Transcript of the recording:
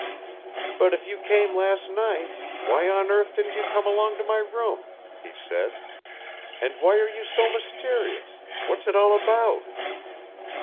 "But if you came last night, why on earth didn't you come along to my room?" he said. "And why are you so mysterious? What's it all about?"